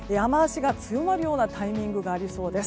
雨脚が強まるようなタイミングがありそうです。